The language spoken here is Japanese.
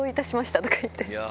とかいって。